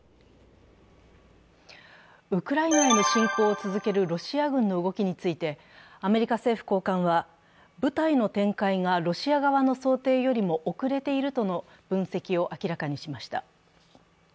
ウクライナへの侵攻を続けるロシア軍の動きについてアメリカ政府高官は、部隊の展開がロシア側の想定よりも遅れているとの分析を明らかにしました。